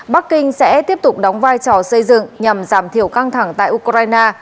bắc kinh sẽ tiếp tục đóng vai trò xây dựng nhằm giảm thiểu căng thẳng tại ukraine